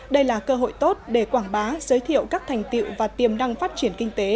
đây là cơ hội tốt để quảng bá giới thiệu các thành tiệu và tiềm năng phát triển kinh tế